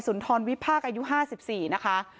สุนทรวิภาคอายุ๕๔นะคะ